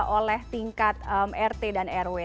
oleh tingkat masing masing